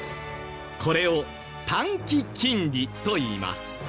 これを「短期金利」といいます。